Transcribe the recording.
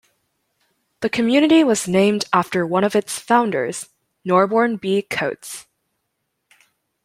The community was named after one of its founders, Norborne B. Coats.